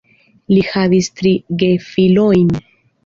Li havis tri gefilojn.